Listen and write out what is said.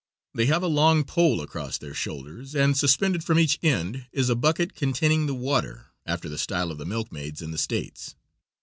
They have a long pole across their shoulders, and suspended from each end is a bucket containing the water, after the style of the milkmaids in the States.